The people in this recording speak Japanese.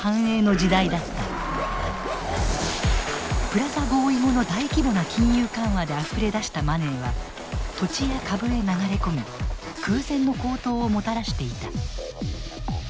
プラザ合意後の大規模な金融緩和であふれ出したマネーは土地や株へ流れ込み空前の高騰をもたらしていた。